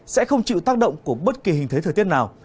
sẽ không chịu tác động của bất kỳ hình thế thời tiết nào